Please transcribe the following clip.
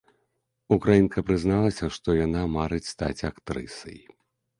Украінка прызналася, што яна марыць стаць актрысай.